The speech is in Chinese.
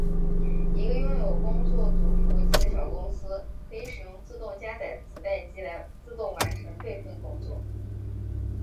一个拥有工作组服务器的小公司可以使用自动加载磁带机来自动完成备份工作。